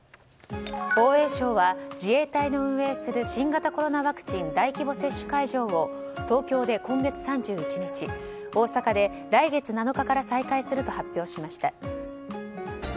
防衛省は自衛隊の運営する新型コロナワクチン大規模接種会場を東京で今月３１日大阪で来月７日から再開すると発表しました。